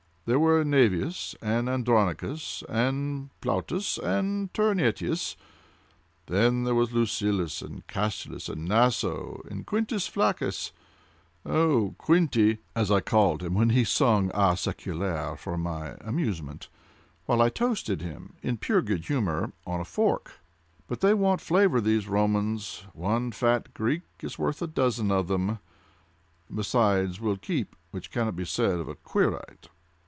there were Naevius, and Andronicus, and Plautus, and Terentius. Then there were Lucilius, and Catullus, and Naso, and Quintus Flaccus,—dear Quinty! as I called him when he sung a seculare for my amusement, while I toasted him, in pure good humor, on a fork. But they want flavor, these Romans. One fat Greek is worth a dozen of them, and besides will keep, which cannot be said of a Quirite.